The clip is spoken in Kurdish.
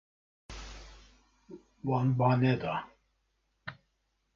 Wan ba neda.